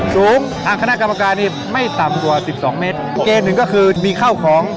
ทางคณะกรรมการนี้ไม่ต่ำกว่าสิบสองเมตรเกณฑ์หนึ่งก็คือมีข้าวของ